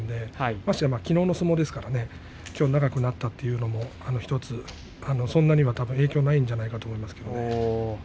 ましてや、きのうの相撲ですからきょう長くなったというのもそんな影響はないと思いますよ。